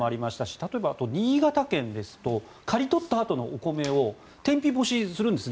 例えば、あと新潟県ですと刈り取ったあとのお米を天日干しにするんですね。